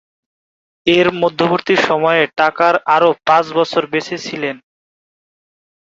এর মধ্যবর্তী সময়ে টাকার আরও পাঁচ বছর বেঁচে ছিলেন।